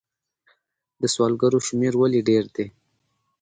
د سوالګرو شمیر ولې ډیر دی؟